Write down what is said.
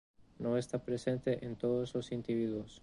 No está presente en todos los individuos.